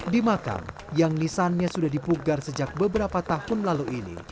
di makam yang nisannya sudah dipugar sejak beberapa tahun lalu ini